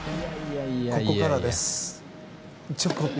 ここからです。